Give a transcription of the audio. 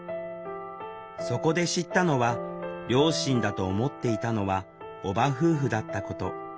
そこで知ったのは両親だと思っていたのは叔母夫婦だったこと。